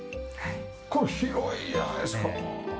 これ広いじゃないですか。